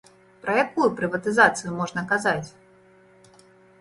Пра якую прыватызацыю можна казаць?